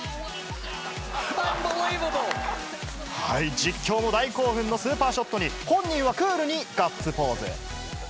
実況も大興奮のスーパーショットに、本人はクールにガッツポーズ。